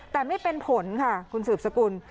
แต่ไม่เป็นผลค่ะคุณสืบสกุล